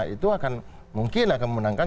itu akan mungkin akan memenangkan